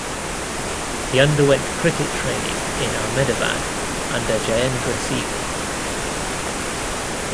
He underwent cricket training in Ahmedabad under Jayendra Sehgal.